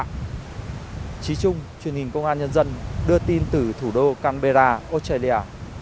trí trung truyền hình công an nhân dân đưa tin từ thủ đô canberra australia